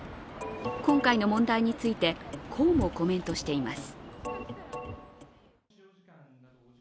今回の問題についてこうもコメントしています。